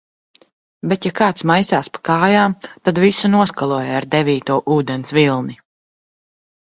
Bet ja kāds maisās pa kājām, tad visu noskaloju ar devīto ūdens vilni.